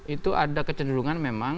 itu ada kecenderungan memang